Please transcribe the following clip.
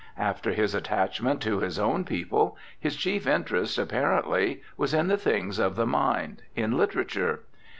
After his attachment to his own people, his chief interest, apparently, was in the things of the mind, in literature.